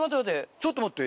ちょっと待って。